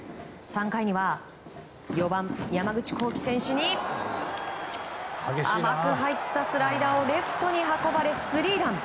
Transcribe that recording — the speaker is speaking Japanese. ３回には４番、山口航輝選手に甘く入ったスライダーをレフトに運ばれ、スリーラン。